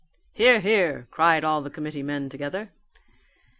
"Hear, hear!" cried all the committee men together.